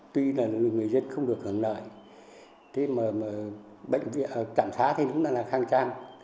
tuy là người dân không được hưởng nợ trạm xá thì cũng là khang trang